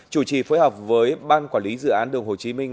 chủ trì phối hợp với ban quản lý dự án đường hồ chí minh